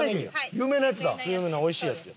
有名なおいしいやつや。